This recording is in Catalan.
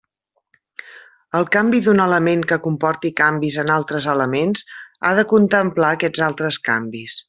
El canvi d'un element que comporti canvis en altres elements ha de contemplar aquests altres canvis.